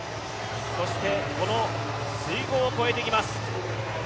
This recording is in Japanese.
そして、この水濠を越えていきます。